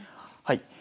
はい。